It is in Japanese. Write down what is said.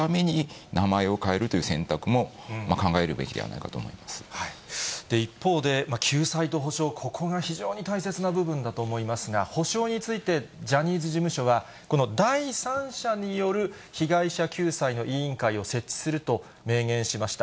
存続させるために名前を変えるという選択肢も考えるべきだと思い一方で、救済と補償、ここが大切な部分だと思いますが、補償についてジャニーズ事務所はこの第三者による被害者救済の委員会を設置すると明言しました。